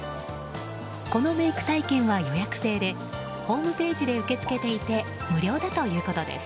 このメイク体験は予約制でホームページで受け付けていて無料だということです。